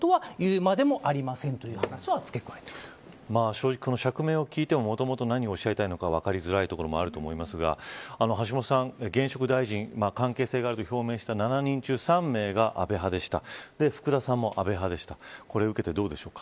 正直、この釈明を聞いてももともと何をおっしゃりたいのか分かりづらいところもあると思いますが橋下さん、現職大臣関係性があると表明した７人中３名が安倍派でした。